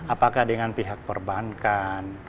apakah dengan pihak perbankan